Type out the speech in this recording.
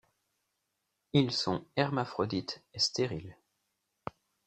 Ils sont hermaphrodites et stériles.